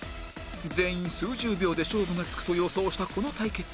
全員数十秒で勝負がつくと予想したこの対決